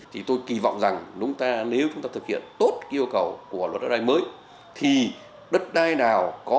thì tôi kỳ vọng rằng nếu chúng ta thực hiện tốt yêu cầu của luật đất đai mới thì đất đai nào có